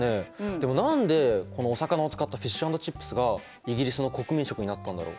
でも何でこのお魚を使ったフィッシュ＆チップスがイギリスの国民食になったんだろう？